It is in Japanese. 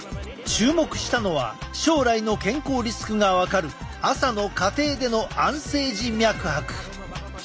注目したのは将来の健康リスクが分かる朝の家庭での安静時脈拍。